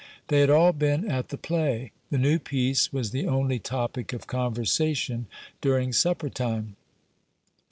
They had all been at the play. The new piece was the only topic of conversation during supper time.